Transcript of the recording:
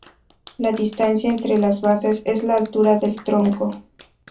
La distancia entre las bases es la altura del tronco.